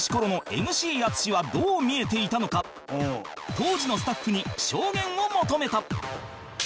当時のスタッフに証言を求めた